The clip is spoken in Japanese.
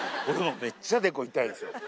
俺もめっちゃデコ痛いですよ。